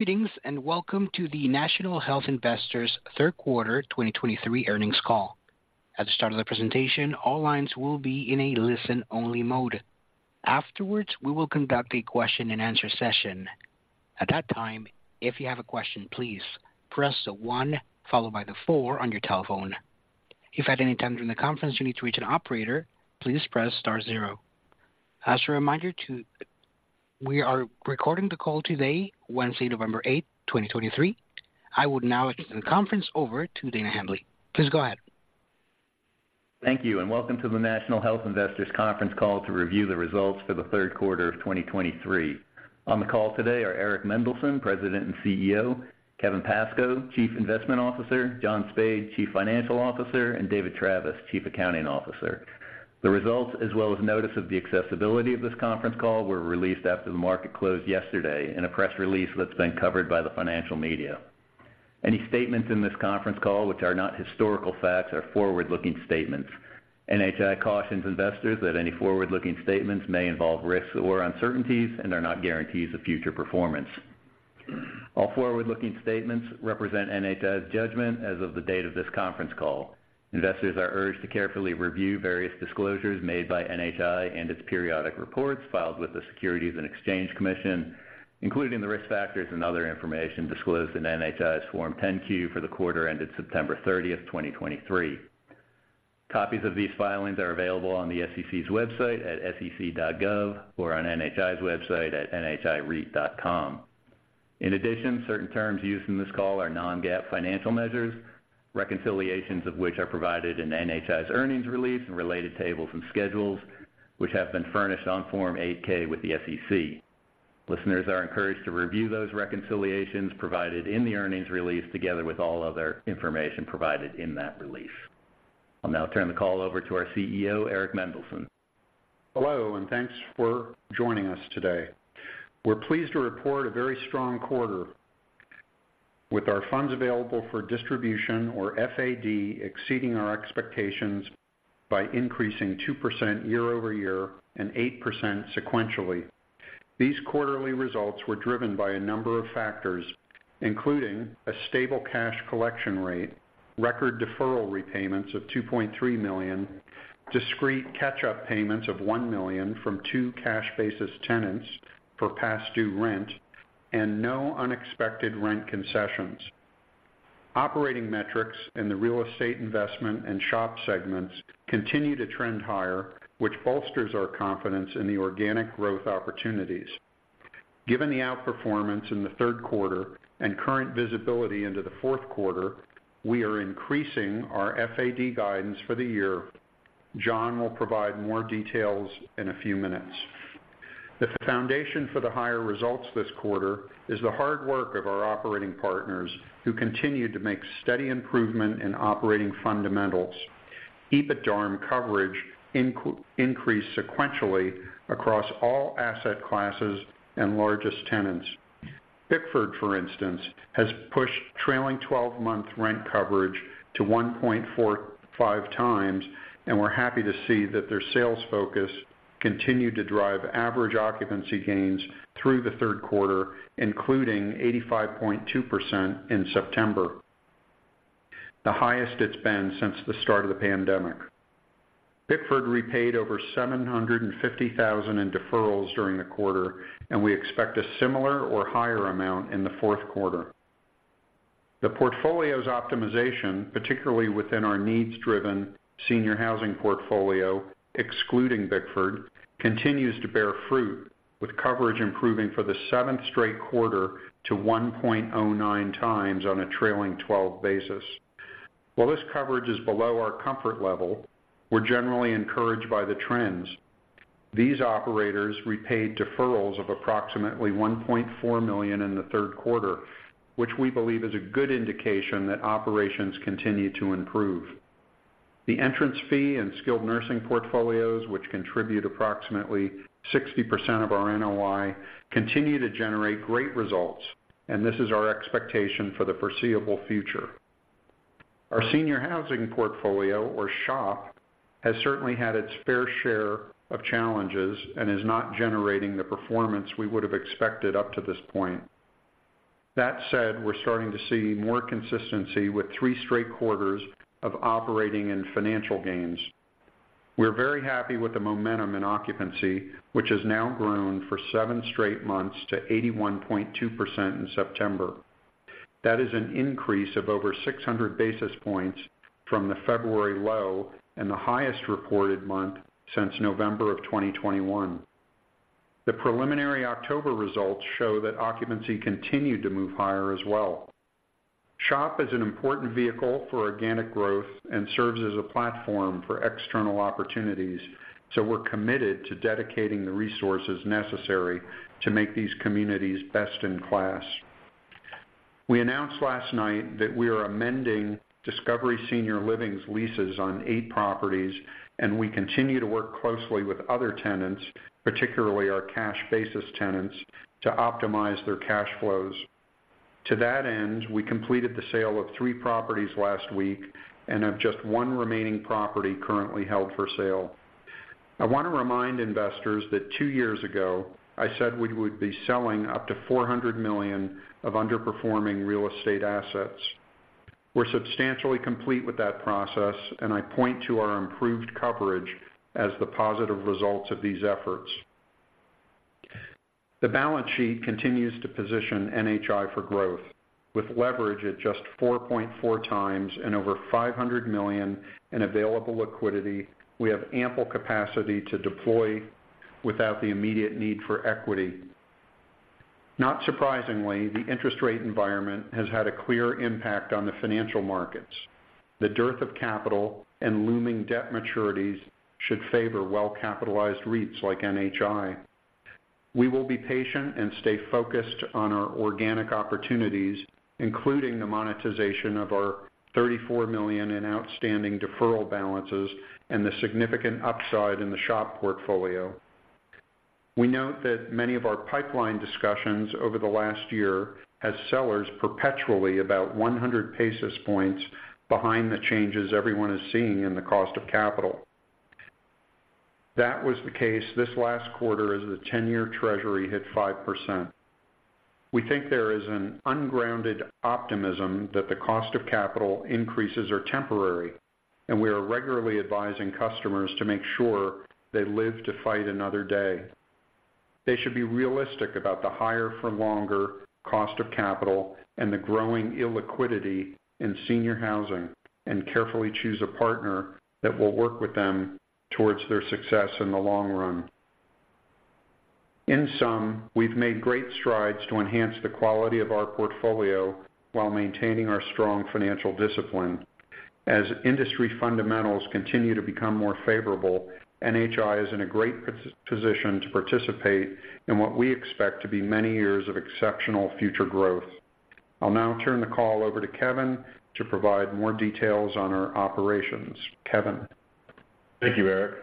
Greetings, and welcome to the National Health Investors third quarter 2023 earnings call. At the start of the presentation, all lines will be in a listen-only mode. Afterwards, we will conduct a question-and-answer session. At that time, if you have a question, please press the one followed by the four on your telephone. If at any time during the conference, you need to reach an operator, please press star zero. As a reminder, too, we are recording the call today, Wednesday, November 8, 2023. I would now turn the conference over to Dana Hambly. Please go ahead. Thank you, and welcome to the National Health Investors conference call to review the results for the third quarter of 2023. On the call today are Eric Mendelsohn, President and CEO; Kevin Pascoe, Chief Investment Officer; John Spaid, Chief Financial Officer; and David Travis, Chief Accounting Officer. The results, as well as notice of the accessibility of this conference call, were released after the market closed yesterday in a press release that's been covered by the financial media. Any statements in this conference call, which are not historical facts, are forward-looking statements. NHI cautions investors that any forward-looking statements may involve risks or uncertainties and are not guarantees of future performance. All forward-looking statements represent NHI's judgment as of the date of this conference call. Investors are urged to carefully review various disclosures made by NHI and its periodic reports filed with the Securities and Exchange Commission, including the risk factors and other information disclosed in NHI's Form 10-Q for the quarter ended September 30, 2023. Copies of these filings are available on the SEC's website at sec.gov or on NHI's website at nhireit.com. In addition, certain terms used in this call are non-GAAP financial measures, reconciliations of which are provided in NHI's earnings release and related tables and schedules, which have been furnished on Form 8-K with the SEC. Listeners are encouraged to review those reconciliations provided in the earnings release, together with all other information provided in that release. I'll now turn the call over to our CEO, Eric Mendelsohn. Hello, and thanks for joining us today. We're pleased to report a very strong quarter, with our funds available for distribution, or FAD, exceeding our expectations by increasing 2% year-over-year and 8% sequentially. These quarterly results were driven by a number of factors, including a stable cash collection rate, record deferral repayments of $2.3 million, discrete catch-up payments of $1 million from two cash basis tenants for past due rent, and no unexpected rent concessions. Operating metrics in the real estate investment and SHOP segments continue to trend higher, which bolsters our confidence in the organic growth opportunities. Given the outperformance in the third quarter and current visibility into the fourth quarter, we are increasing our FAD guidance for the year. John will provide more details in a few minutes. The foundation for the higher results this quarter is the hard work of our operating partners, who continue to make steady improvement in operating fundamentals. EBITDARM coverage increased sequentially across all asset classes and largest tenants. Bickford, for instance, has pushed trailing 12th rent coverage to 1.45 times, and we're happy to see that their sales focus continued to drive average occupancy gains through the third quarter, including 85.2% in September, the highest it's been since the start of the pandemic. Bickford repaid over $750,000 in deferrals during the quarter, and we expect a similar or higher amount in the fourth quarter. The portfolio's optimization, particularly within our needs-driven senior housing portfolio, excluding Bickford, continues to bear fruit, with coverage improving for the seventh straight quarter to 1.09 times on a trailing 12 basis. While this coverage is below our comfort level, we're generally encouraged by the trends. These operators repaid deferrals of approximately $1.4 million in the third quarter, which we believe is a good indication that operations continue to improve. The entrance fee and skilled nursing portfolios, which contribute approximately 60% of our NOI, continue to generate great results, and this is our expectation for the foreseeable future. Our senior housing portfolio, or SHOP, has certainly had its fair share of challenges and is not generating the performance we would have expected up to this point. That said, we're starting to see more consistency with three straight quarters of operating and financial gains. We're very happy with the momentum in occupancy, which has now grown for seven straight months to 81.2% in September. That is an increase of over 600 basis points from the February low and the highest reported month since November 2021. The preliminary October results show that occupancy continued to move higher as well. SHOP is an important vehicle for organic growth and serves as a platform for external opportunities, so we're committed to dedicating the resources necessary to make these communities best in class. We announced last night that we are amending Discovery Senior Living's leases on eight properties, and we continue to work closely with other tenants, particularly our cash basis tenants, to optimize their cash flows. To that end, we completed the sale of three properties last week and have just one remaining property currently held for sale. I want to remind investors that two years ago, I said we would be selling up to $400 million of underperforming real estate assets. We're substantially complete with that process, and I point to our improved coverage as the positive results of these efforts. The balance sheet continues to position NHI for growth, with leverage at just 4.4 times and over $500 million in available liquidity. We have ample capacity to deploy without the immediate need for equity. Not surprisingly, the interest rate environment has had a clear impact on the financial markets. The dearth of capital and looming debt maturities should favor well-capitalized REITs like NHI. We will be patient and stay focused on our organic opportunities, including the monetization of our $34 million in outstanding deferral balances and the significant upside in the SHOP portfolio. We note that many of our pipeline discussions over the last year as sellers perpetually about 100 basis points behind the changes everyone is seeing in the cost of capital. That was the case this last quarter as the 10-year treasury hit 5%. We think there is an ungrounded optimism that the cost of capital increases are temporary, and we are regularly advising customers to make sure they live to fight another day. They should be realistic about the higher for longer cost of capital and the growing illiquidity in senior housing, and carefully choose a partner that will work with them towards their success in the long run. In sum, we've made great strides to enhance the quality of our portfolio while maintaining our strong financial discipline. As industry fundamentals continue to become more favorable, NHI is in a great position to participate in what we expect to be many years of exceptional future growth. I'll now turn the call over to Kevin to provide more details on our operations. Kevin? Thank you, Eric.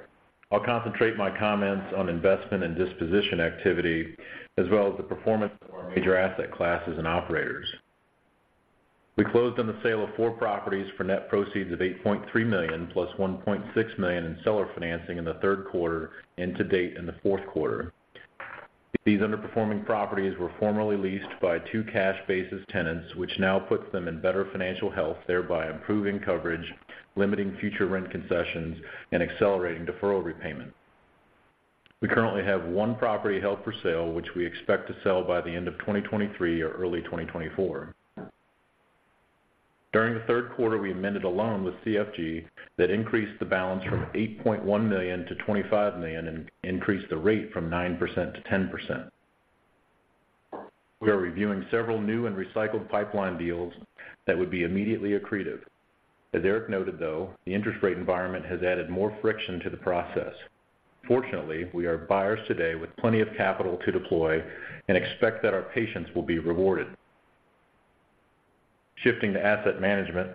I'll concentrate my comments on investment and disposition activity, as well as the performance of our major asset classes and operators. We closed on the sale of four properties for net proceeds of $8.3 million, plus $1.6 million in seller financing in the third quarter and to date in the fourth quarter. These underperforming properties were formerly leased by two cash-basis tenants, which now puts them in better financial health, thereby improving coverage, limiting future rent concessions, and accelerating deferral repayment. We currently have one property held for sale, which we expect to sell by the end of 2023 or early 2024. During the third quarter, we amended a loan with CFG that increased the balance from $8.1 million to $25 million and increased the rate from 9% to 10%. We are reviewing several new and recycled pipeline deals that would be immediately accretive. As Eric noted, though, the interest rate environment has added more friction to the process. Fortunately, we are buyers today with plenty of capital to deploy and expect that our patience will be rewarded. Shifting to asset management.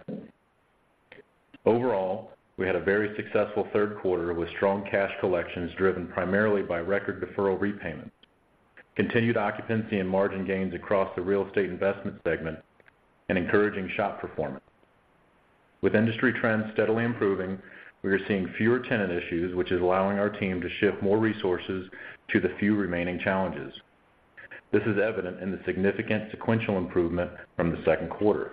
Overall, we had a very successful third quarter with strong cash collections, driven primarily by record deferral repayments, continued occupancy and margin gains across the real estate investment segment, and encouraging SHOP performance. With industry trends steadily improving, we are seeing fewer tenant issues, which is allowing our team to shift more resources to the few remaining challenges. This is evident in the significant sequential improvement from the second quarter.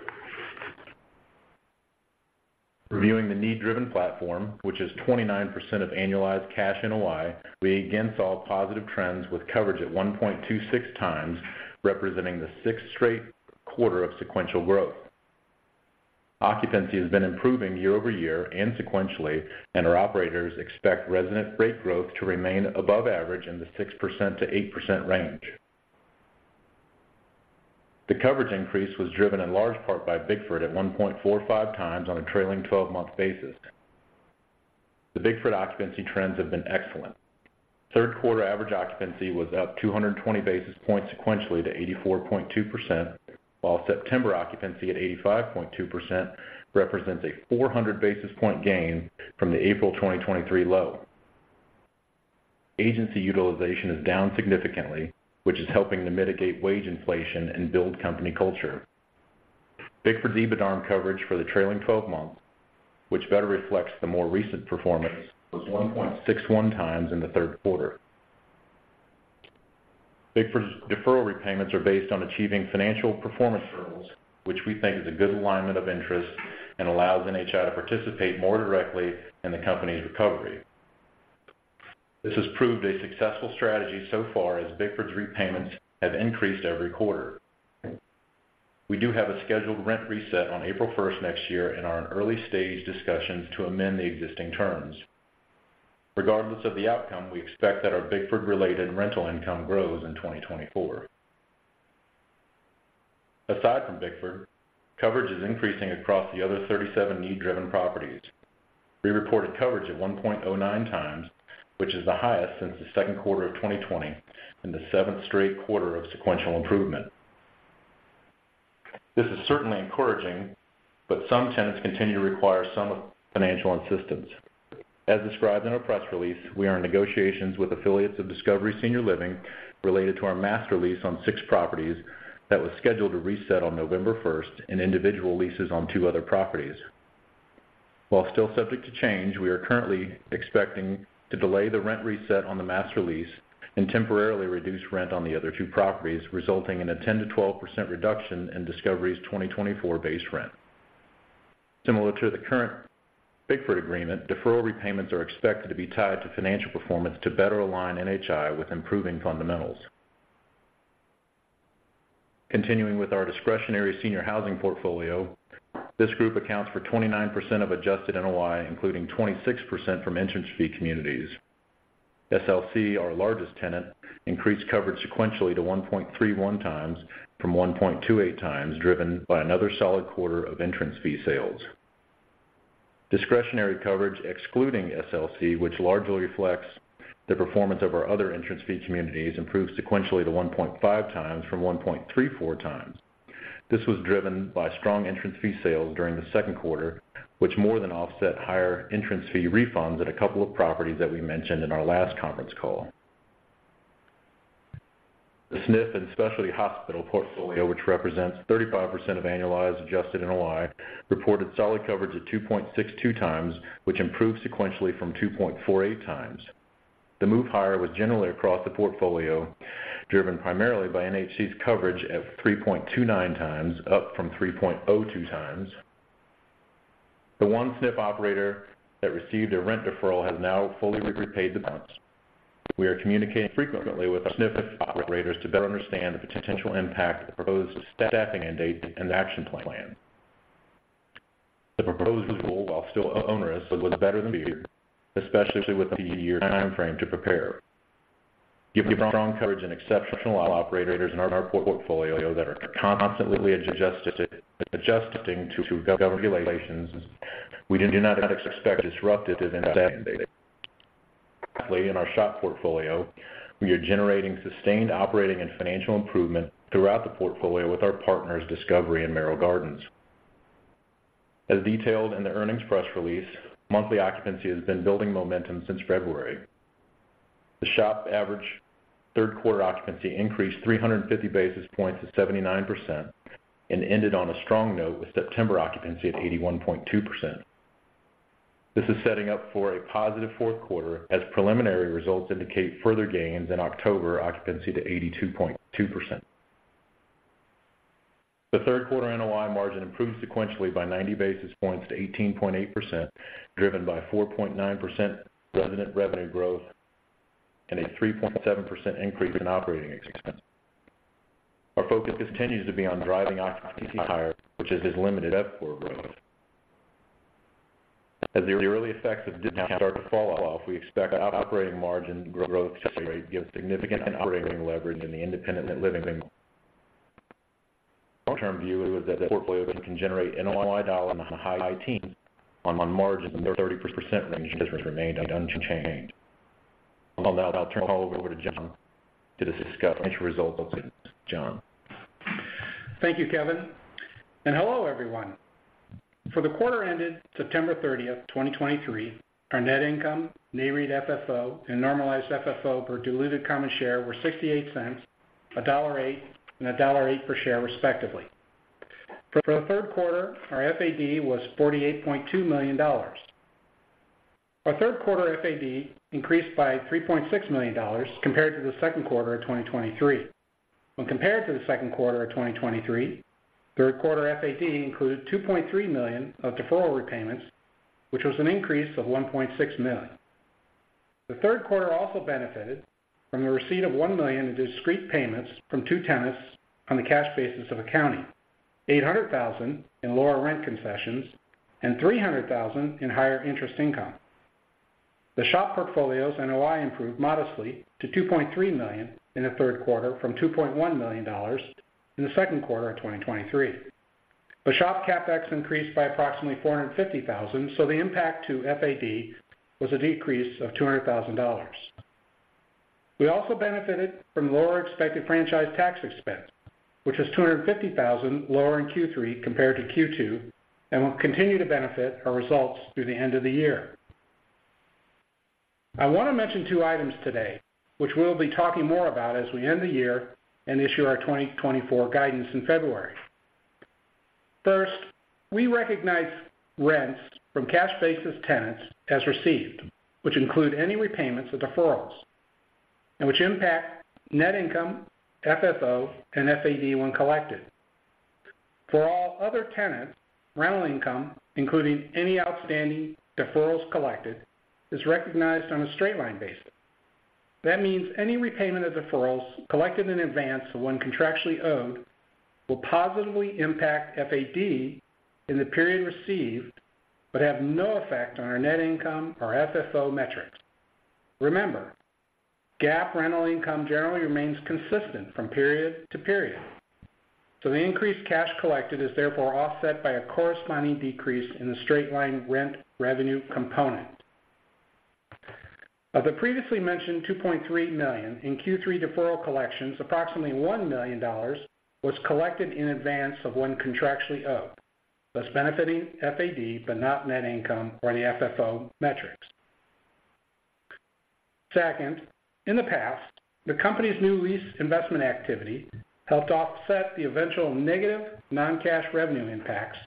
Reviewing the need-driven platform, which is 29% of annualized cash NOI, we again saw positive trends with coverage at 1.26 times, representing the sixth straight quarter of sequential growth. Occupancy has been improving year-over-year and sequentially, and our operators expect resident rate growth to remain above average in the 6%-8% range. The coverage increase was driven in large part by Bickford at 1.45 times on a trailing 12-month basis. The Bickford occupancy trends have been excellent. Third quarter average occupancy was up 220 basis points sequentially to 84.2%, while September occupancy at 85.2% represents a 400 basis point gain from the April 2023 low. Agency utilization is down significantly, which is helping to mitigate wage inflation and build company culture. Bickford EBITDA coverage for the trailing twelve months, which better reflects the more recent performance, was 1.61 times in the third quarter. Bickford's deferral repayments are based on achieving financial performance thresholds, which we think is a good alignment of interest and allows NHI to participate more directly in the company's recovery. This has proved a successful strategy so far, as Bickford's repayments have increased every quarter. We do have a scheduled rent reset on April first next year, and are in early stage discussions to amend the existing terms. Regardless of the outcome, we expect that our Bickford-related rental income grows in 2024. Aside from Bickford, coverage is increasing across the other 37 need-driven properties. We reported coverage at 1.09 times, which is the highest since the second quarter of 2020, and the seventh straight quarter of sequential improvement. This is certainly encouraging, but some tenants continue to require some financial assistance. As described in our press release, we are in negotiations with affiliates of Discovery Senior Living related to our master lease on six properties that was scheduled to reset on November first and individual leases on two other properties. While still subject to change, we are currently expecting to delay the rent reset on the master lease and temporarily reduce rent on the other two properties, resulting in a 10%-12% reduction in Discovery's 2024 base rent. Similar to the current Bickford agreement, deferral repayments are expected to be tied to financial performance to better align NHI with improving fundamentals. Continuing with our discretionary senior housing portfolio, this group accounts for 29% of adjusted NOI, including 26% from entrance fee communities. SLC, our largest tenant, increased coverage sequentially to 1.31 times from 1.28 times, driven by another solid quarter of entrance fee sales. Discretionary coverage, excluding SLC, which largely reflects the performance of our other entrance fee communities, improved sequentially to 1.5 times from 1.34 times. This was driven by strong entrance fee sales during the second quarter, which more than offset higher entrance fee refunds at a couple of properties that we mentioned in our last conference call. The SNF and specialty hospital portfolio, which represents 35% of annualized adjusted NOI, reported solid coverage at 2.62 times, which improved sequentially from 2.48 times. The move higher was generally across the portfolio, driven primarily by NHC's coverage at 3.29 times, up from 3.02 times. The one SNF operator that received a rent deferral has now fully repaid the balance. We are communicating frequently with SNF operators to better understand the potential impact of the proposed staffing mandate and action plan. The proposal, while still onerous, was better than feared, especially with the year timeframe to prepare. Given the strong coverage and exceptional operators in our portfolio that are constantly adjusting, adjusting to government regulations, we do not expect disruptive impact. In our SHOP portfolio, we are generating sustained operating and financial improvement throughout the portfolio with our partners, Discovery and Merrill Gardens. As detailed in the earnings press release, monthly occupancy has been building momentum since February. The SHOP average third quarter occupancy increased 350 basis points to 79% and ended on a strong note with September occupancy at 81.2%. This is setting up for a positive fourth quarter, as preliminary results indicate further gains in October, occupancy to 82.2%. The third quarter NOI margin improved sequentially by 90 basis points to 18.8%, driven by 4.9% resident revenue growth and a 3.7% increase in operating expenses. Our focus continues to be on driving occupancy higher, which has limited RevPOR growth. As the early effects of discount start to fall off, we expect operating margin growth rate give significant operating leverage in the independent living. Long-term view is that the portfolio can generate NOI dollar in the high teens on, on margin, 30% range has remained unchanged. Now, I'll turn it over to John to discuss results. John? Thank you, Kevin, and hello, everyone. For the quarter ended September 30, 2023, our net income, NAREIT FFO, and normalized FFO per diluted common share were $0.68, $1.08 and $1.08 per share, respectively. For the third quarter, our FAD was $48.2 million. Our third quarter FAD increased by $3.6 million compared to the second quarter of 2023. When compared to the second quarter of 2023, third quarter FAD included $2.3 million of deferral repayments, which was an increase of $1.6 million. The third quarter also benefited from the receipt of $1 million in discrete payments from two tenants on the cash basis of accounting, $800,000 in lower rent concessions and $300,000 in higher interest income. The SHOP portfolio's NOI improved modestly to $2.3 million in the third quarter from $2.1 million in the second quarter of 2023. The SHOP CapEx increased by approximately $450,000, so the impact to FAD was a decrease of $200,000. We also benefited from lower expected franchise tax expense, which is $250,000 lower in Q3 compared to Q2, and will continue to benefit our results through the end of the year. I want to mention two items today, which we'll be talking more about as we end the year and issue our 2024 guidance in February. First, we recognize rents from cash basis tenants as received, which include any repayments of deferrals and which impact net income, FFO, and FAD when collected. For all other tenants, rental income, including any outstanding deferrals collected, is recognized on a straight-line basis. That means any repayment of deferrals collected in advance of when contractually owed, will positively impact FAD in the period received, but have no effect on our net income or FFO metrics. Remember, GAAP rental income generally remains consistent from period to period, so the increased cash collected is therefore offset by a corresponding decrease in the straight-line rent revenue component. Of the previously mentioned $2.3 million in Q3 deferral collections, approximately $1 million was collected in advance of when contractually owed, thus benefiting FAD, but not net income or the FFO metrics. Second, in the past, the company's new lease investment activity helped offset the eventual negative non-cash revenue impacts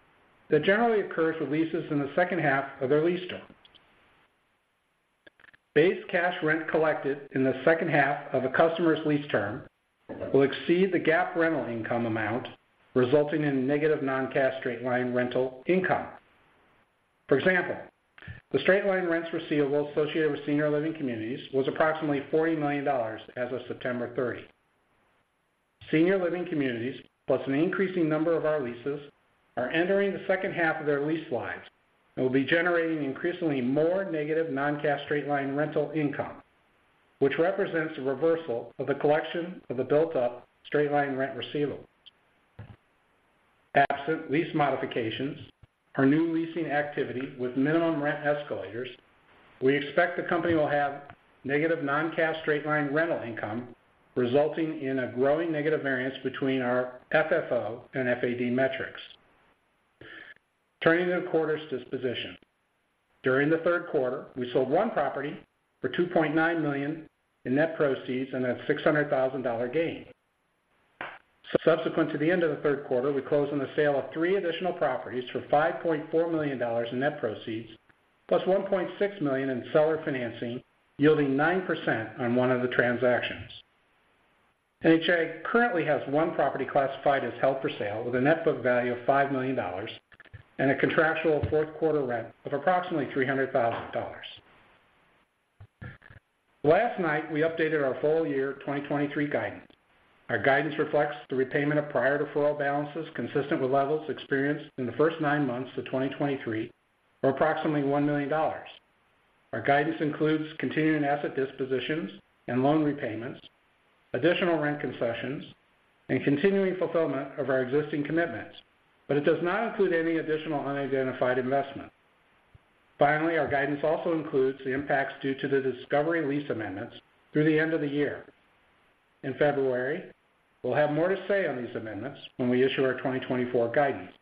that generally occurs with leases in the second half of their lease term. Base cash rent collected in the second half of a customer's lease term will exceed the GAAP rental income amount, resulting in negative non-cash straight-line rental income. For example, the straight-line rents receivable associated with Senior Living Communities was approximately $40 million as of September 30. Senior Living Communities, plus an increasing number of our leases, are entering the second half of their lease lives and will be generating increasingly more negative non-cash straight-line rental income, which represents a reversal of the collection of the built-up straight-line rent receivables. Absent lease modifications or new leasing activity with minimum rent escalators, we expect the company will have negative non-cash straight-line rental income, resulting in a growing negative variance between our FFO and FAD metrics. Turning to the quarter's disposition. During the third quarter, we sold one property for $2.9 million in net proceeds and a $600,000 gain. Subsequent to the end of the third quarter, we closed on the sale of three additional properties for $5.4 million in net proceeds, plus $1.6 million in seller financing, yielding 9% on one of the transactions. NHI currently has one property classified as held for sale, with a net book value of $5 million and a contractual fourth quarter rent of approximately $300,000. Last night, we updated our full year 2023 guidance. Our guidance reflects the repayment of prior deferral balances, consistent with levels experienced in the first nine months of 2023, for approximately $1 million. Our guidance includes continuing asset dispositions and loan repayments, additional rent concessions, and continuing fulfillment of our existing commitments, but it does not include any additional unidentified investment. Finally, our guidance also includes the impacts due to the Discovery lease amendments through the end of the year. In February, we'll have more to say on these amendments when we issue our 2024 guidance.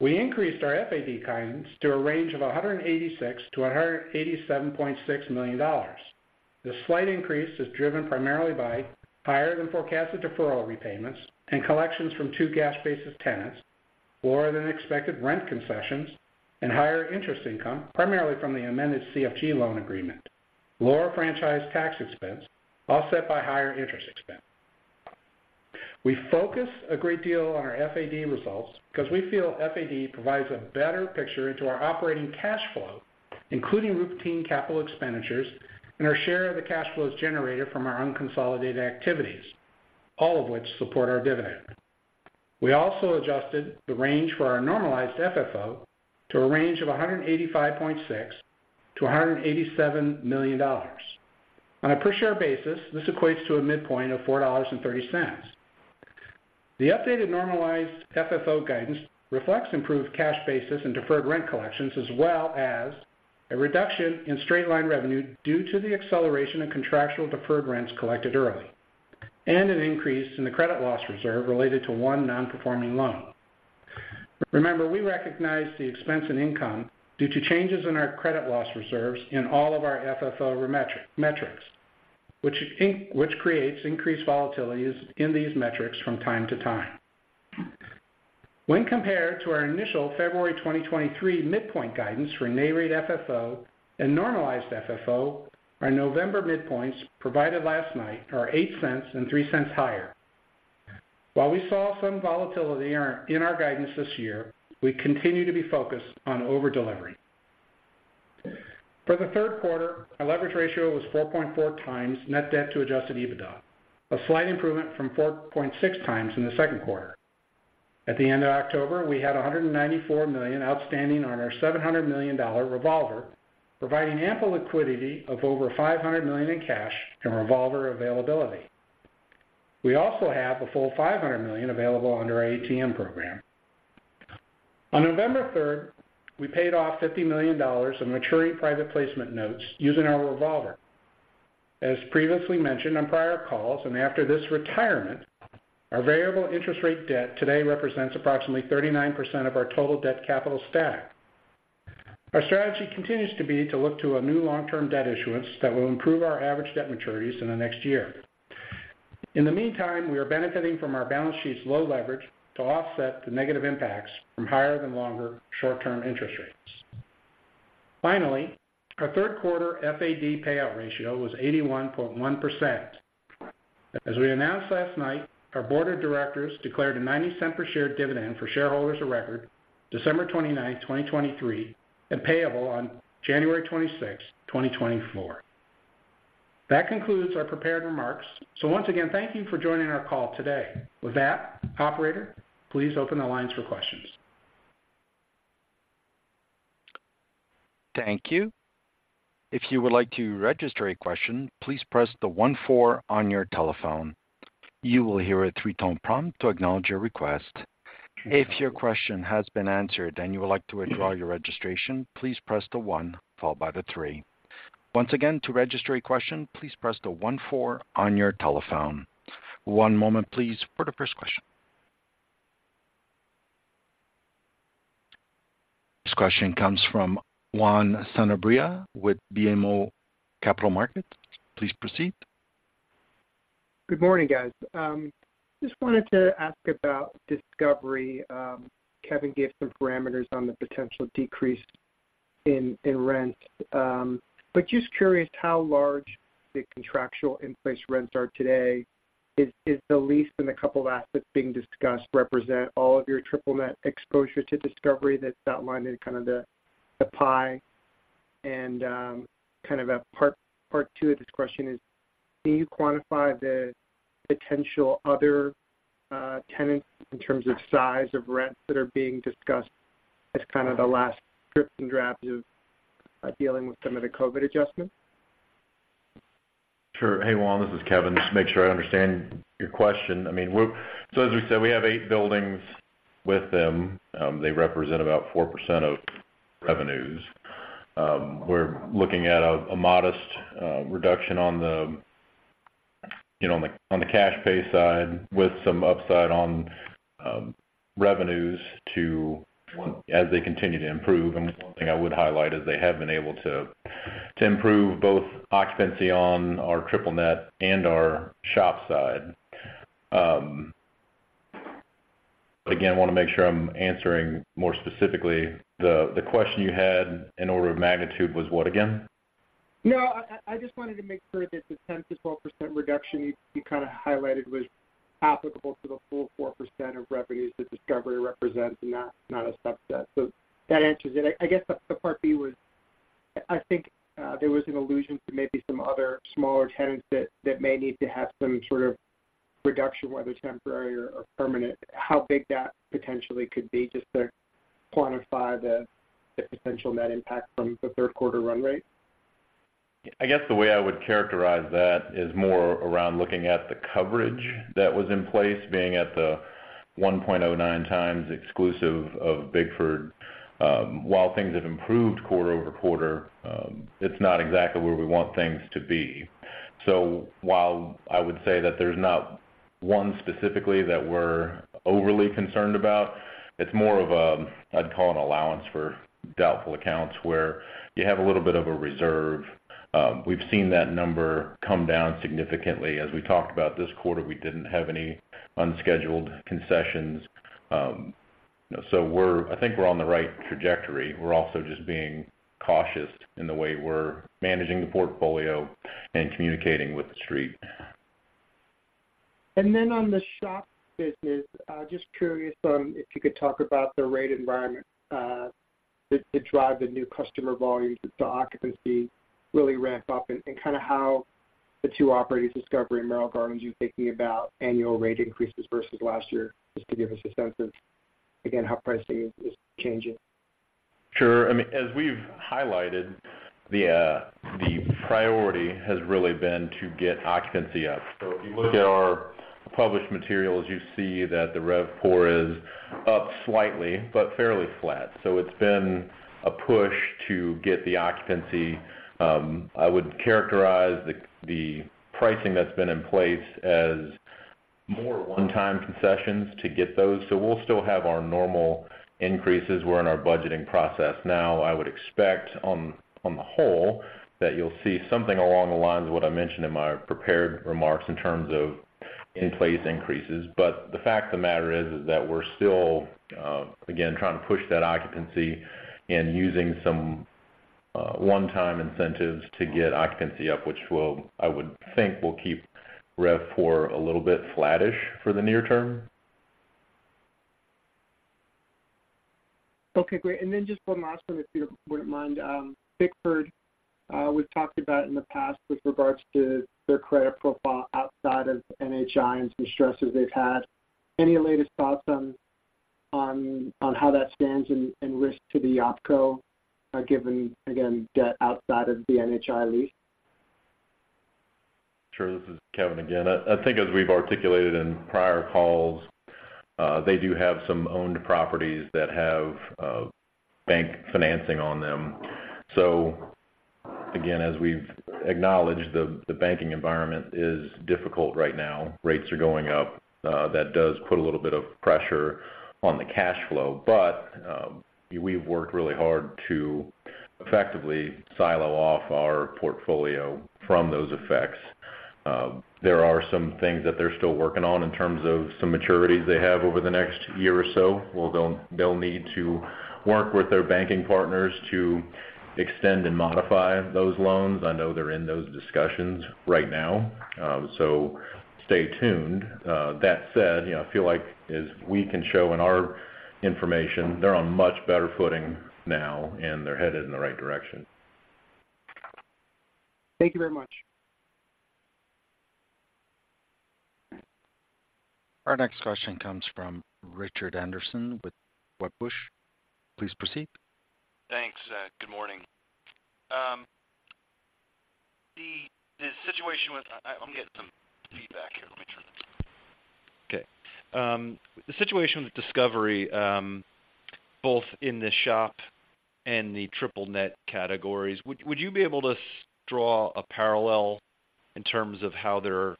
We increased our FAD guidance to a range of $186 million-$187.6 million. The slight increase is driven primarily by higher than forecasted deferral repayments and collections from two cash-basis tenants, lower than expected rent concessions, and higher interest income, primarily from the amended CFG loan agreement, lower franchise tax expense, offset by higher interest expense. We focus a great deal on our FAD results because we feel FAD provides a better picture into our operating cash flow, including routine capital expenditures and our share of the cash flows generated from our unconsolidated activities, all of which support our dividend. We also adjusted the range for our Normalized FFO to a range of $185.6 million-$187 million. On a per-share basis, this equates to a midpoint of $4.30. The updated Normalized FFO guidance reflects improved cash basis and deferred rent collections, as well as a reduction in straight-line revenue due to the acceleration of contractual deferred rents collected early, and an increase in the credit loss reserve related to one non-performing loan. Remember, we recognize the expense and income due to changes in our credit loss reserves in all of our FFO metrics, which creates increased volatilities in these metrics from time to time. When compared to our initial February 2023 midpoint guidance for NAREIT FFO and normalized FFO, our November midpoints provided last night are $0.08 and $0.03 higher. While we saw some volatility in our, in our guidance this year, we continue to be focused on over-delivery. For the third quarter, our leverage ratio was 4.4x net debt to adjusted EBITA, a slight improvement from 4.6x in the second quarter. At the end of October, we had $194 million outstanding on our $700 million revolver, providing ample liquidity of over $500 million in cash and revolver availability. We also have a full $500 million available under our ATM program. On November 3, we paid off $50 million in maturing private placement notes using our revolver. As previously mentioned on prior calls, and after this retirement, our variable interest rate debt today represents approximately 39% of our total debt capital stack. Our strategy continues to be to look to a new long-term debt issuance that will improve our average debt maturities in the next year. In the meantime, we are benefiting from our balance sheet's low leverage to offset the negative impacts from higher and longer short-term interest rates. Finally, our third quarter FAD payout ratio was 81.1%. As we announced last night, our board of directors declared a $0.90 per share dividend for shareholders of record December 29, 2023, and payable on January 26, 2024. That concludes our prepared remarks. So once again, thank you for joining our call today. With that, operator, please open the lines for questions. Thank you. If you would like to register a question, please press the one-four on your telephone. You will hear a three tone prompt to acknowledge your request. If your question has been answered and you would like to withdraw your registration, please press the one followed by the three. Once again, to register a question, please press the one-four on your telephone. One moment, please, for the first question. This question comes from Juan Sanabria with BMO Capital Markets. Please proceed. Good morning, guys. Just wanted to ask about Discovery. Kevin gave some parameters on the potential decrease in, in rent. But just curious how large the contractual in-place rents are today. Is the lease in a couple of assets being discussed represent all of your triple-net exposure to Discovery that's outlined in kind of the, the pie? And, kind of a part two of this question is, can you quantify the potential other tenants in terms of size of rents that are being discussed as kind of the last drips and drops of dealing with some of the COVID adjustments? Sure. Hey, Juan, this is Kevin. Just to make sure I understand your question. I mean, we're so as we said, we have 8 buildings with them. They represent about 4% of revenues. We're looking at a modest reduction on the, you know, on the cash pay side, with some upside on revenues as they continue to improve. And one thing I would highlight is they have been able to improve both occupancy on our triple-net and our SHOP side. But again, I wanna make sure I'm answering more specifically. The question you had in order of magnitude was what again? No, I just wanted to make sure that the 10%-12% reduction you kind of highlighted was applicable to the full 4% of revenues that Discovery represents and not a subset. So that answers it. I guess the part B was, I think there was an allusion to maybe some other smaller tenants that may need to have some sort of reduction, whether temporary or permanent. How big that potentially could be, just to quantify the potential net impact from the third quarter run rate? I guess the way I would characterize that is more around looking at the coverage that was in place, being at the 1.09 times exclusive of Bickford. While things have improved quarter-over-quarter, it's not exactly where we want things to be. So while I would say that there's not one specifically that we're overly concerned about, it's more of a, I'd call an allowance for doubtful accounts, where you have a little bit of a reserve. We've seen that number come down significantly. As we talked about this quarter, we didn't have any unscheduled concessions. So, I think we're on the right trajectory. We're also just being cautious in the way we're managing the portfolio and communicating with the street. And then on the shop business, just curious on if you could talk about the rate environment that drive the new customer volumes, the occupancy really ramped up and kind of how the two properties, Discovery and Merrill Gardens, you're thinking about annual rate increases versus last year, just to give us a sense of, again, how pricing is changing. Sure. I mean, as we've highlighted, the priority has really been to get occupancy up. So if you look at our published materials, you see that the RevPOR is up slightly, but fairly flat. So it's been a push to get the occupancy. I would characterize the pricing that's been in place as more one-time concessions to get those. So we'll still have our normal increases. We're in our budgeting process now. I would expect on the whole, that you'll see something along the lines of what I mentioned in my prepared remarks, in terms of in-place increases. But the fact of the matter is that we're still again trying to push that occupancy and using some one-time incentives to get occupancy up, which will, I would think, will keep RevPOR a little bit flattish for the near term. Okay, great. And then just one last one, if you wouldn't mind. Bickford, we've talked about in the past with regards to their credit profile outside of NHI and some stressors they've had. Any latest thoughts on how that stands in risk to the opco, given again, debt outside of the NHI lease? Sure. This is Kevin again. I think as we've articulated in prior calls, they do have some owned properties that have bank financing on them. So again, as we've acknowledged, the banking environment is difficult right now. Rates are going up. That does put a little bit of pressure on the cash flow. But we've worked really hard to effectively silo off our portfolio from those effects. There are some things that they're still working on in terms of some maturities they have over the next year or so, where they'll need to work with their banking partners to extend and modify those loans. I know they're in those discussions right now, so stay tuned. That said, you know, I feel like as we can show in our information, they're on much better footing now, and they're headed in the right direction. Thank you very much. Our next question comes from Richard Anderson with Wedbush. Please proceed. Thanks. Good morning. The situation with... I'm getting some feedback here. Let me turn this. Okay. The situation with Discovery, both in the SHOP and the triple-net categories. Would you be able to draw a parallel in terms of how they're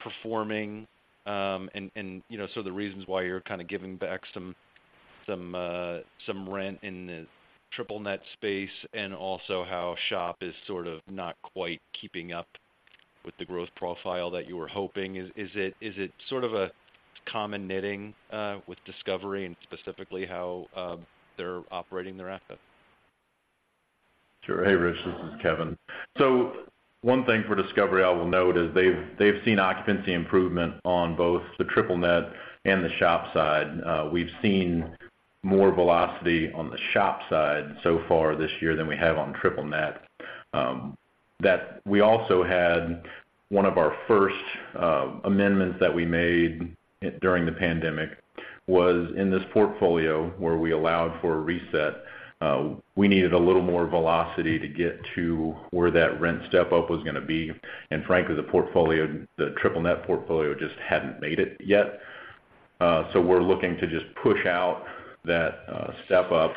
performing? And, you know, so the reasons why you're kind of giving back some rent in the triple-net space, and also how SHOP is sort of not quite keeping up with the growth profile that you were hoping. Is it sort of a common thread with Discovery, and specifically how they're operating their asset? Sure. Hey, Rich, this is Kevin. So one thing for Discovery I will note is they've, they've seen occupancy improvement on both the triple net and the SHOP side. We've seen more velocity on the SHOP side so far this year than we have on triple net. That we also had one of our first amendments that we made during the pandemic was in this portfolio where we allowed for a reset. We needed a little more velocity to get to where that rent step-up was going to be, and frankly, the portfolio, the triple net portfolio, just hadn't made it yet. So we're looking to just push out that step-up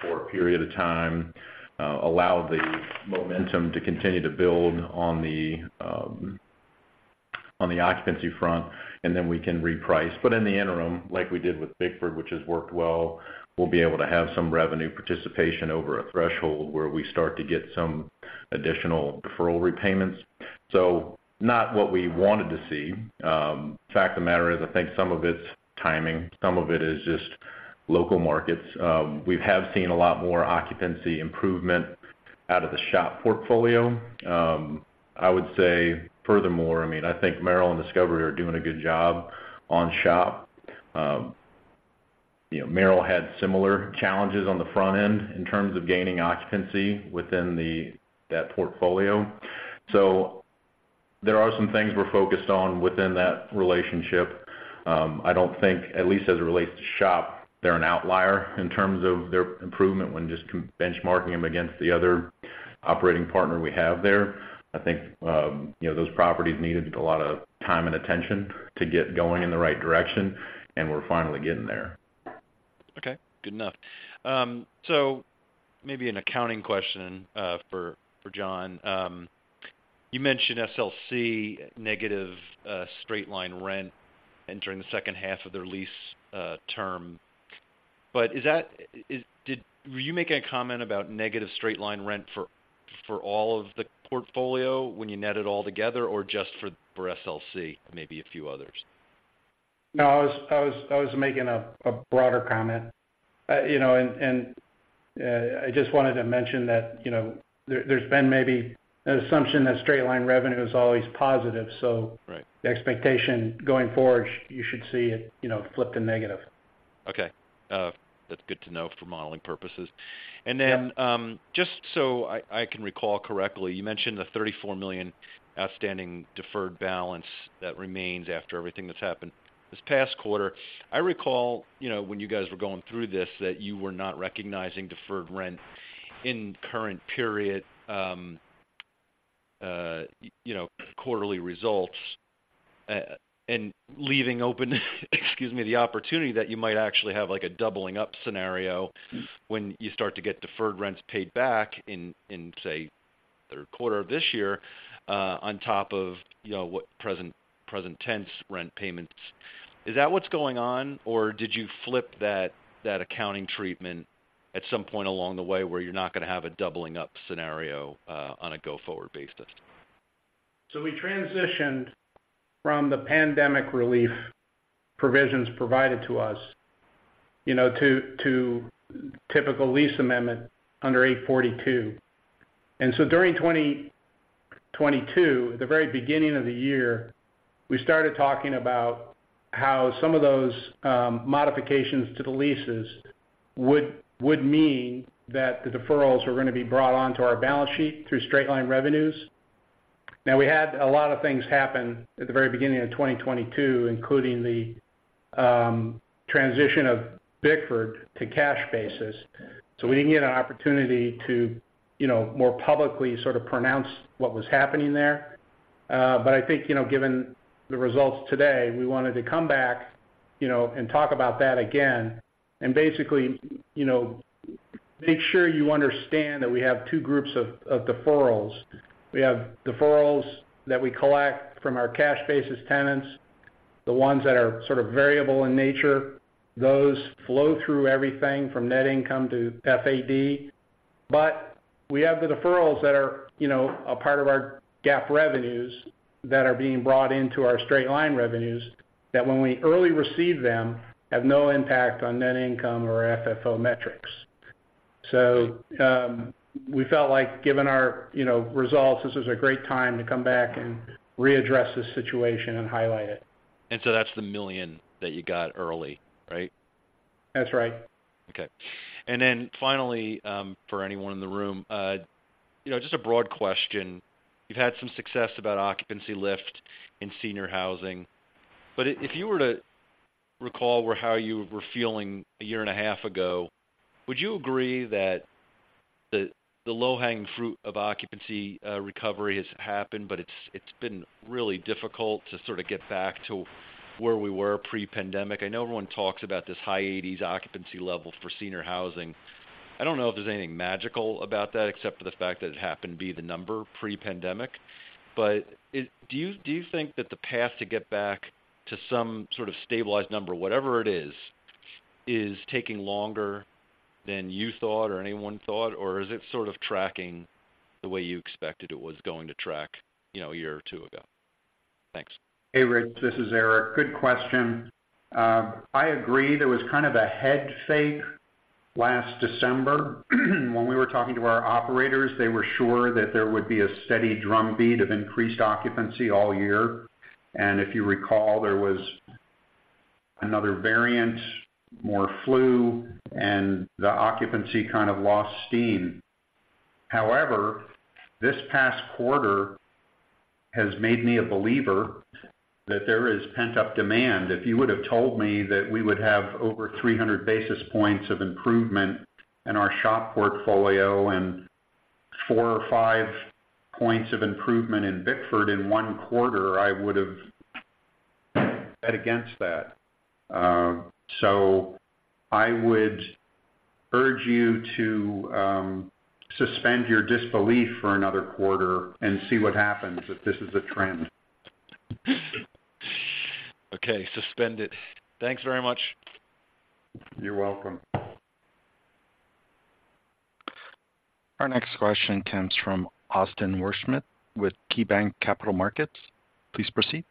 for a period of time, allow the momentum to continue to build on the on the occupancy front, and then we can reprice. But in the interim, like we did with Bickford, which has worked well, we'll be able to have some revenue participation over a threshold where we start to get some additional deferral repayments. So not what we wanted to see. Fact of the matter is, I think some of it's timing, some of it is just local markets. We have seen a lot more occupancy improvement out of the SHOP portfolio. I would say, furthermore, I mean, I think Merrill and Discovery are doing a good job on SHOP. You know, Merrill had similar challenges on the front end in terms of gaining occupancy within that portfolio. So there are some things we're focused on within that relationship. I don't think, at least as it relates to SHOP, they're an outlier in terms of their improvement when just benchmarking them against the other operating partner we have there. I think, you know, those properties needed a lot of time and attention to get going in the right direction, and we're finally getting there. Okay, good enough. So maybe an accounting question for John. You mentioned SLC negative straight-line rent entering the second half of their lease term. But is that, were you making a comment about negative straight-line rent for all of the portfolio when you net it all together, or just for SLC, maybe a few others? No, I was making a broader comment. You know, and I just wanted to mention that, you know, there's been maybe an assumption that straight-line revenue is always positive, so- Right. the expectation going forward, you should see it, you know, flip to negative. Okay. That's good to know for modeling purposes. Yep. And then, just so I can recall correctly, you mentioned the $34 million outstanding deferred balance that remains after everything that's happened this past quarter. I recall, you know, when you guys were going through this, that you were not recognizing deferred rent in current period, you know, quarterly results, and leaving open, excuse me, the opportunity that you might actually have, like, a doubling up scenario when you start to get deferred rents paid back in, say, the third quarter of this year, on top of, you know, what present tense rent payments. Is that what's going on, or did you flip that accounting treatment at some point along the way, where you're not going to have a doubling up scenario on a go-forward basis? So we transitioned from the pandemic relief provisions provided to us, you know, to typical lease amendment under 842. And so during 2022, the very beginning of the year, we started talking about how some of those modifications to the leases would mean that the deferrals were going to be brought onto our balance sheet through straight-line revenues. Now, we had a lot of things happen at the very beginning of 2022, including the transition of Bickford to cash basis. So we didn't get an opportunity to, you know, more publicly sort of pronounce what was happening there. But I think, you know, given the results today, we wanted to come back, you know, and talk about that again, and basically, you know, make sure you understand that we have two groups of deferrals. We have deferrals that we collect from our cash basis tenants, the ones that are sort of variable in nature. Those flow through everything from net income to FAD. But we have the deferrals that are, you know, a part of our GAAP revenues that are being brought into our straight-line revenues, that when we early receive them, have no impact on net income or FFO metrics. So, we felt like, given our, you know, results, this is a great time to come back and readdress this situation and highlight it. That's the $1 million that you got early, right? That's right. Okay. And then finally, for anyone in the room, you know, just a broad question: You've had some success about occupancy lift in senior housing, but if you were to recall how you were feeling a year and a half ago, would you agree that The low-hanging fruit of occupancy recovery has happened, but it's been really difficult to sort of get back to where we were pre-pandemic. I know everyone talks about this high 80s occupancy level for senior housing. I don't know if there's anything magical about that, except for the fact that it happened to be the number pre-pandemic. But do you think that the path to get back to some sort of stabilized number, whatever it is, is taking longer than you thought or anyone thought? Or is it sort of tracking the way you expected it was going to track, you know, a year or two ago? Thanks. Hey, Rich, this is Eric. Good question. I agree, there was kind of a head fake last December. When we were talking to our operators, they were sure that there would be a steady drumbeat of increased occupancy all year. If you recall, there was another variant, more flu, and the occupancy kind of lost steam. However, this past quarter has made me a believer that there is pent-up demand. If you would have told me that we would have over 300 basis points of improvement in our SHOP portfolio and 4 or 5 points of improvement in Bickford in one quarter, I would have bet against that. So I would urge you to suspend your disbelief for another quarter and see what happens, if this is a trend. Okay, suspended. Thanks very much. You're welcome. Our next question comes from Austin Wurschmidt with KeyBanc Capital Markets. Please proceed.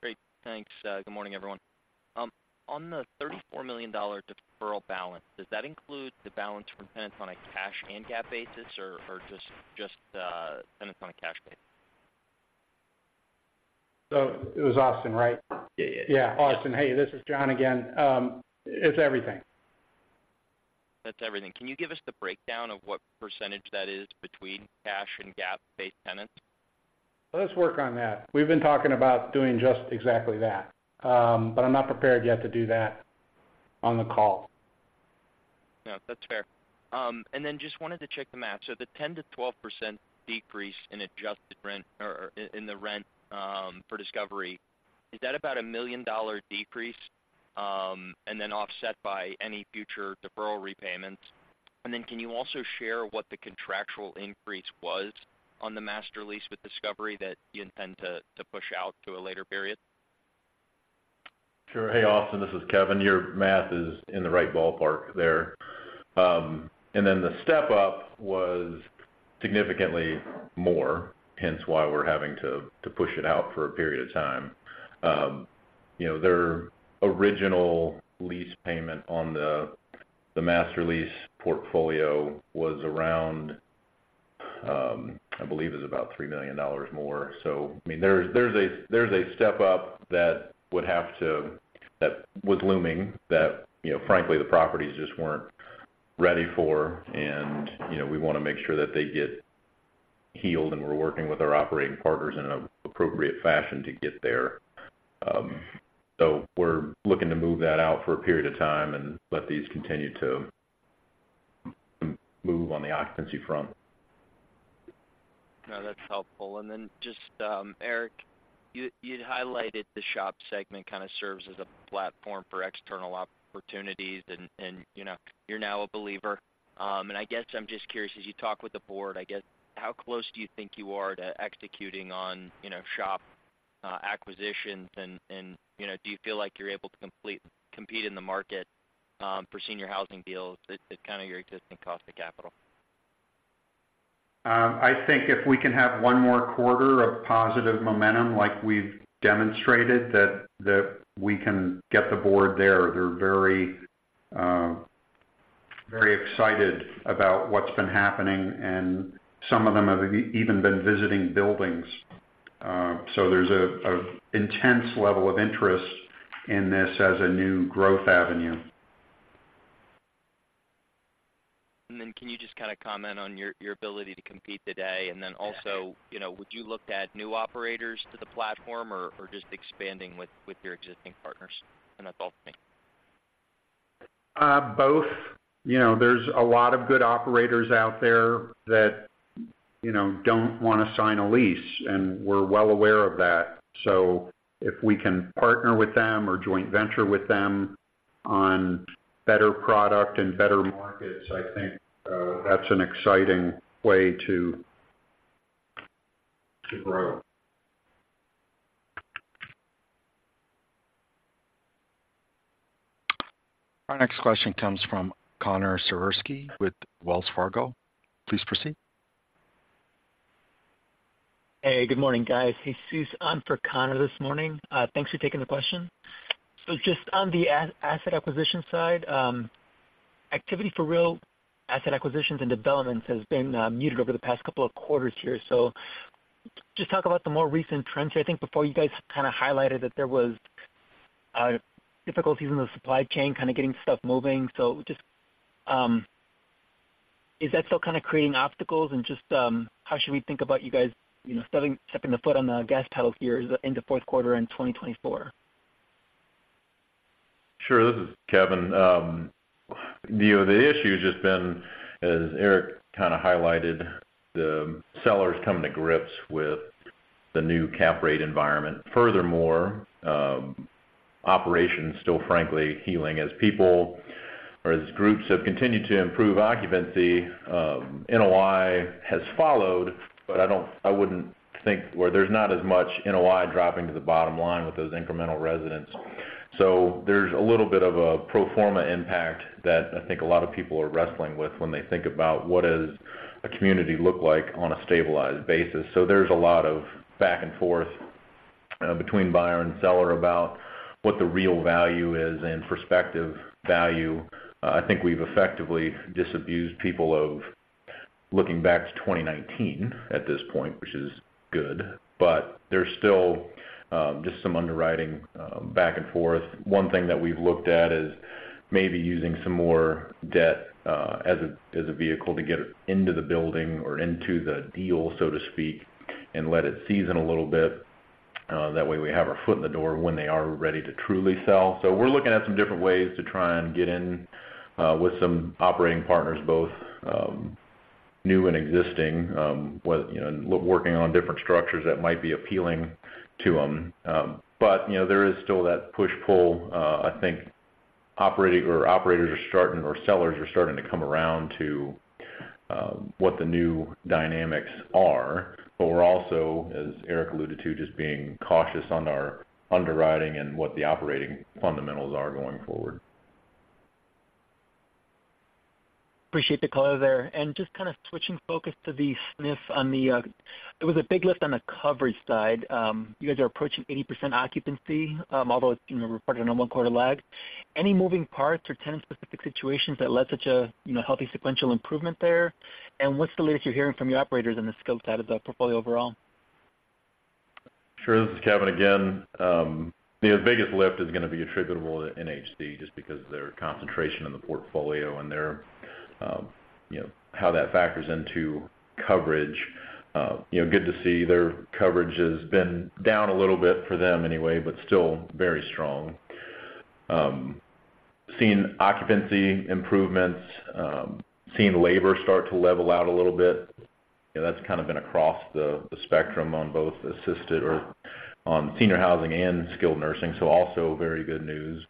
Great. Thanks. Good morning, everyone. On the $34 million deferral balance, does that include the balance from tenants on a cash and GAAP basis or just tenants on a cash basis? So it was Austin, right? Yeah, yeah. Yeah, Austin, hey, this is John again. It's everything. That's everything. Can you give us the breakdown of what percentage that is between cash and GAAP-based tenants? Let us work on that. We've been talking about doing just exactly that. But I'm not prepared yet to do that on the call. No, that's fair. And then just wanted to check the math. So the 10%-12% decrease in adjusted rent or in the rent for Discovery, is that about a $1 million decrease, and then offset by any future deferral repayments? And then can you also share what the contractual increase was on the master lease with Discovery that you intend to push out to a later period? Sure. Hey, Austin, this is Kevin. Your math is in the right ballpark there. And then the step-up was significantly more, hence why we're having to push it out for a period of time. You know, their original lease payment on the master lease portfolio was around, I believe, it's about $3 million more. So, I mean, there's a step-up that would have to, that was looming, that, you know, frankly, the properties just weren't ready for. And, you know, we want to make sure that they get healed, and we're working with our operating partners in an appropriate fashion to get there. So we're looking to move that out for a period of time and let these continue to move on the occupancy front. No, that's helpful. And then just, Eric, you'd highlighted the SHOP segment kind of serves as a platform for external opportunities, and, you know, you're now a believer. And I guess I'm just curious, as you talk with the board, I guess, how close do you think you are to executing on, you know, SHOP acquisitions? And, you know, do you feel like you're able to compete in the market for senior housing deals at kind of your existing cost of capital? I think if we can have one more quarter of positive momentum like we've demonstrated, that we can get the board there. They're very, very excited about what's been happening, and some of them have even been visiting buildings. So there's an intense level of interest in this as a new growth avenue. And then can you just kind of comment on your, your ability to compete today? You know, would you look to add new operators to the platform or, or just expanding with, with your existing partners? That's all for me. Both. You know, there's a lot of good operators out there that, you know, don't want to sign a lease, and we're well aware of that. So if we can partner with them or joint venture with them on better product and better markets, I think, that's an exciting way to grow. Our next question comes from Connor Siversky with Wells Fargo. Please proceed. Hey, good morning, guys. Hey, Sue's on for Connor this morning. Thanks for taking the question. So just on the asset acquisition side, activity for real asset acquisitions and developments has been muted over the past couple of quarters here. So just talk about the more recent trends here. I think before, you guys kind of highlighted that there was difficulties in the supply chain, kind of getting stuff moving. So just, is that still kind of creating obstacles? And just, how should we think about you guys, you know, stepping the foot on the gas pedal here into fourth quarter in 2024? Sure, this is Kevin. You know, the issue has just been, as Eric kind of highlighted, the sellers coming to grips with the new cap rate environment. Furthermore, operations still frankly healing as people or as groups have continued to improve occupancy, NOI has followed, but I don't, I wouldn't think where there's not as much NOI dropping to the bottom line with those incremental residents. So there's a little bit of a pro forma impact that I think a lot of people are wrestling with when they think about what does a community look like on a stabilized basis. So there's a lot of back and forth between buyer and seller about what the real value is and prospective value. I think we've effectively disabused people of looking back to 2019 at this point, which is good, but there's still just some underwriting back and forth. One thing that we've looked at is maybe using some more debt as a vehicle to get into the building or into the deal, so to speak, and let it season a little bit. That way, we have our foot in the door when they are ready to truly sell. So we're looking at some different ways to try and get in with some operating partners, both new and existing, you know, working on different structures that might be appealing to them. But, you know, there is still that push-pull. I think operating or operators are starting or sellers are starting to come around to what the new dynamics are. But we're also, as Eric alluded to, just being cautious on our underwriting and what the operating fundamentals are going forward. Appreciate the color there. Just kind of switching focus to the SNF on the. There was a big lift on the coverage side. You guys are approaching 80% occupancy, although it's, you know, reported a normal quarter lag. Any moving parts or tenant-specific situations that led to such a, you know, healthy sequential improvement there? And what's the latest you're hearing from your operators on the skilled side of the portfolio overall? Sure. This is Kevin again. The biggest lift is gonna be attributable to NHC just because of their concentration in the portfolio and their, you know, how that factors into coverage. You know, good to see their coverage has been down a little bit for them anyway, but still very strong. Seeing occupancy improvements, seeing labor start to level out a little bit, and that's kind of been across the spectrum on both assisted or on senior housing and skilled nursing, so also very good news.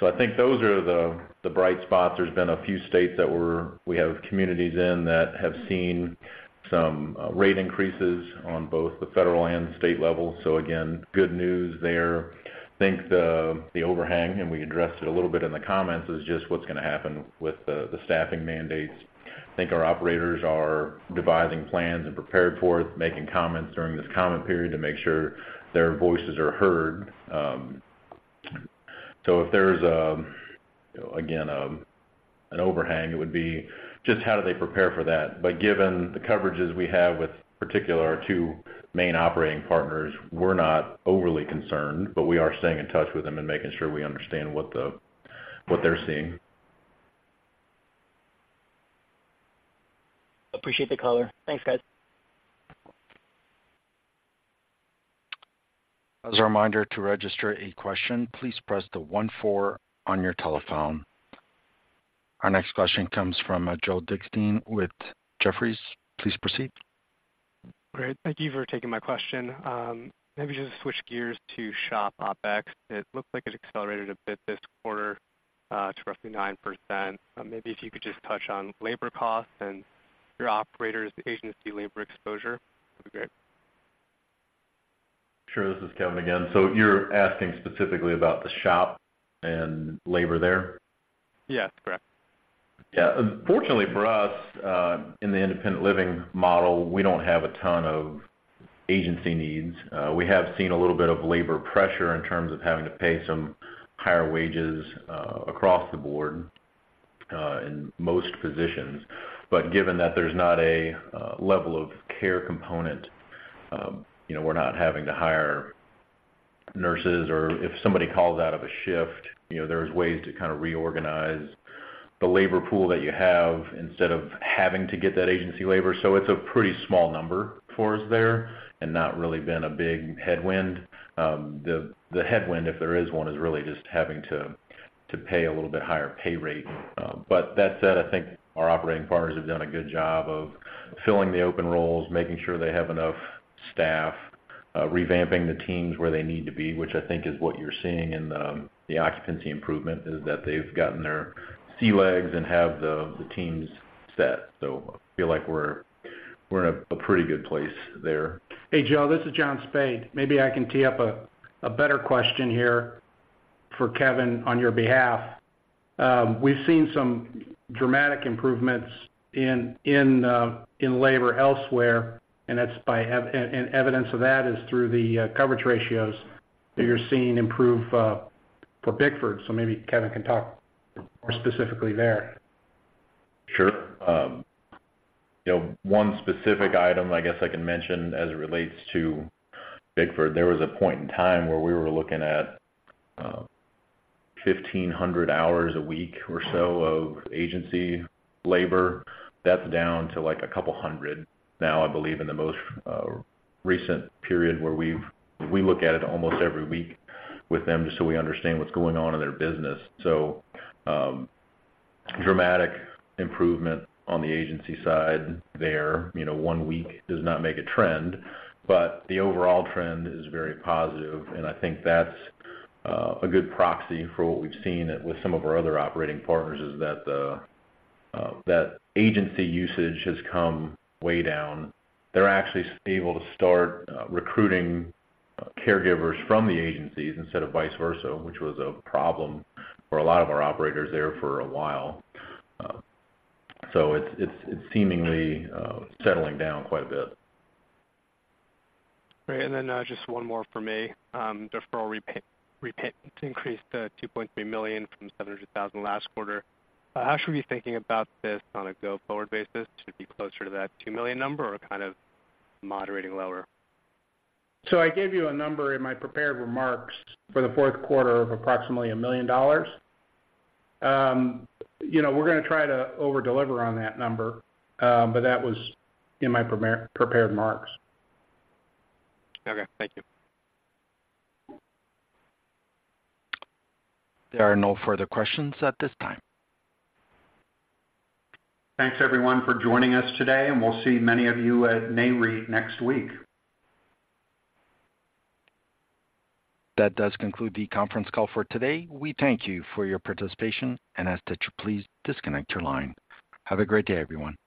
So I think those are the bright spots. There's been a few states that we have communities in that have seen some rate increases on both the federal and state level. So again, good news there. I think the overhang, and we addressed it a little bit in the comments, is just what's gonna happen with the staffing mandates. I think our operators are devising plans and prepared for it, making comments during this comment period to make sure their voices are heard. So if there's again an overhang, it would be just how do they prepare for that? But given the coverages we have with particularly our two main operating partners, we're not overly concerned, but we are staying in touch with them and making sure we understand what they're seeing. Appreciate the color. Thanks, guys. As a reminder, to register a question, please press the one-four on your telephone. Our next question comes from Joel Dixstein with Jefferies. Please proceed. Great. Thank you for taking my question. Maybe just switch gears to SHOP OpEx. It looks like it accelerated a bit this quarter to roughly 9%. Maybe if you could just touch on labor costs and your operators' agency labor exposure, that'd be great. Sure. This is Kevin again. So you're asking specifically about the SHOP and labor there? Yes, correct. Yeah. Fortunately for us, in the independent living model, we don't have a ton of agency needs. We have seen a little bit of labor pressure in terms of having to pay some higher wages, across the board, in most positions. But given that there's not a level of care component, you know, we're not having to hire nurses, or if somebody calls out of a shift, you know, there's ways to kind of reorganize the labor pool that you have instead of having to get that agency labor. So it's a pretty small number for us there and not really been a big headwind. The headwind, if there is one, is really just having to pay a little bit higher pay rate. But that said, I think our operating partners have done a good job of filling the open roles, making sure they have enough staff, revamping the teams where they need to be, which I think is what you're seeing in the occupancy improvement, is that they've gotten their sea legs and have the teams set. So I feel like we're in a pretty good place there. Hey, Joel, this is John Spaid. Maybe I can tee up a better question here for Kevin on your behalf. We've seen some dramatic improvements in labor elsewhere, and that's evidence of that through the coverage ratios that you're seeing improve for Bickford. So maybe Kevin can talk more specifically there. Sure. You know, one specific item I guess I can mention as it relates to Bickford, there was a point in time where we were looking at 1,500 hours a week or so of agency labor. That's down to, like, a couple hundred now, I believe, in the most recent period, where we look at it almost every week with them, just so we understand what's going on in their business. So, dramatic improvement on the agency side there. You know, one week does not make a trend, but the overall trend is very positive, and I think that's a good proxy for what we've seen with some of our other operating partners, is that that agency usage has come way down. They're actually able to start recruiting caregivers from the agencies instead of vice versa, which was a problem for a lot of our operators there for a while. So it's seemingly settling down quite a bit. Great. And then, just one more for me. Deferral repayment increased to $2.3 million from $700,000 last quarter. How should we be thinking about this on a go-forward basis? Should it be closer to that $2 million number or kind of moderating lower? So I gave you a number in my prepared remarks for the fourth quarter of approximately $1 million. You know, we're gonna try to over-deliver on that number, but that was in my prepared remarks. Okay, thank you. There are no further questions at this time. Thanks, everyone, for joining us today, and we'll see many of you at NAREIT next week. That does conclude the conference call for today. We thank you for your participation and ask that you please disconnect your line. Have a great day, everyone.